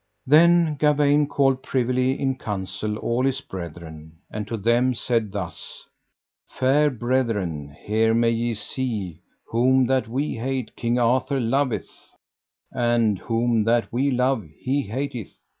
Then Gawaine called privily in council all his brethren, and to them said thus: Fair brethren, here may ye see, whom that we hate King Arthur loveth, and whom that we love he hateth.